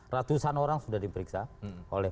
ratusan orang sudah diperiksa oleh